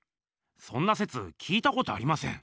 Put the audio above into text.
そんなせつ聞いたことありません。